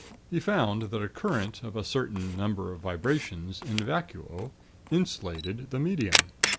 He found that a current, of a certain number of vibrations, in vacuo, 'insulated' the medium.